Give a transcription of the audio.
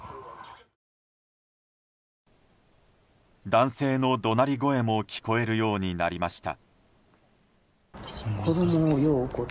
男性の怒鳴り声も聞こえるようになりました。